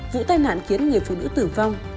vụ tai nạn khiến người phụ nữ tử vong